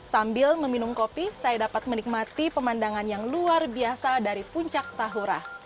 sambil meminum kopi saya dapat menikmati pemandangan yang luar biasa dari puncak tahura